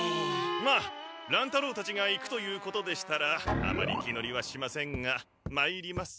まあ乱太郎たちが行くということでしたらあまり気乗りはしませんがまいります。